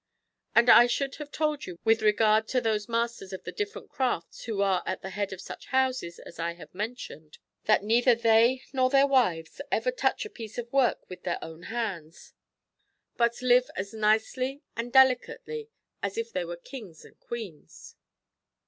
And I should have told you with regard to those masters of the difl^erent crafts who are at the head of such houses as I have mentioned, that neither they nor their wives ever touch a j)iece of work with their own hands, but live as nicely and delicately as if they were kings and queens.